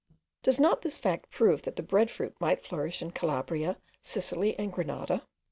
Does not this fact prove that the bread fruit might flourish in Calabria, Sicily, and Granada?